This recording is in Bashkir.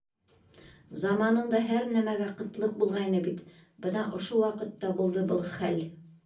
Заманында һәр нәмәгә ҡытлыҡ булғайны бит, бына ошо ваҡытта булды был хәл.